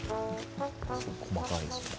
すごく細かいですよね。